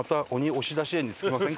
押出し園に着きません？